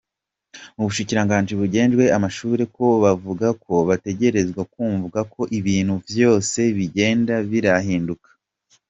Mu bushikiranganji bujejwe amashure ho bavuga ko bategerezwa kwumva ko ibintu vyose bigenda birahinduka.